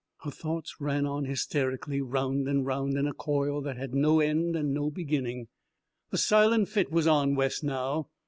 Her thoughts ran on hysterically, round and round in a coil that had no end and no beginning. The silent fit was on Wes now.